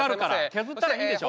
削ったらいいんでしょ？